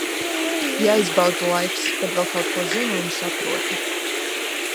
Jāizbauda laiks, kad vēl kaut ko zinu un saprotu.